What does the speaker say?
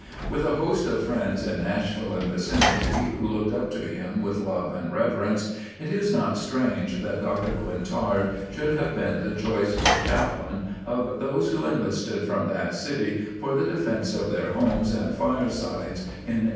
With a host of friends in Nashville and vicinity, who looked up to him with love and reverence, it is not strange that Doctor Quintard should have been the choice for chaplain of those who enlisted from that city for the defence of their homes and firesides in 1861.